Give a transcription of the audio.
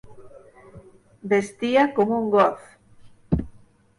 Vestia com un Goth.